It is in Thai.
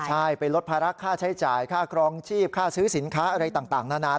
ใช่ไปลดภาระค่าใช้จ่ายค่าครองชีพค่าซื้อสินค้าอะไรต่างนานา